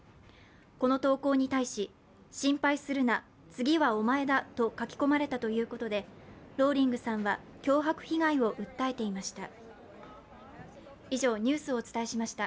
この投稿に対し、心配するな、次はお前だと書き込まれたということでローリングさんは脅迫被害を訴えていました。